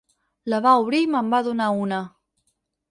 La va obrir i me'n va donar una.